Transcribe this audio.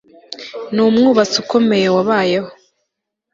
Ni umwubatsi ukomeye wabayeho